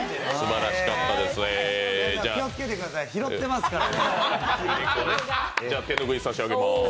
皆さん、気をつけてください、拾ってますから。